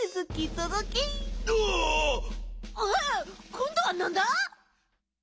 こんどはなんだ？